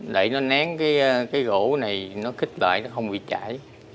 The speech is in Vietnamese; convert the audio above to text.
để nó nén cái gỗ này nó kích lại nó không bị chảy